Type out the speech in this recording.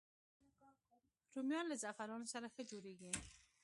رومیان له زعفرانو سره ښه جوړېږي